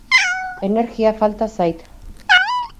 Energia falta zait.